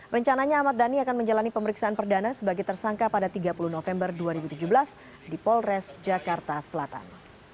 rencananya ahmad dhani akan menjalani pemeriksaan perdana sebagai tersangka pada tiga puluh november dua ribu tujuh belas di polres jakarta selatan